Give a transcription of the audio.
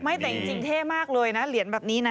แต่จริงเท่มากเลยนะเหรียญแบบนี้นะ